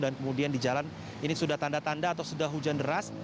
dan kemudian di jalan ini sudah tanda tanda atau sudah hujan deras